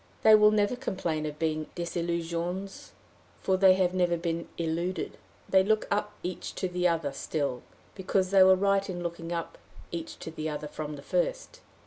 They will never complain of being desillusionnes, for they have never been illuded. They look up each to the other still, because they were right in looking up each to the other from the first.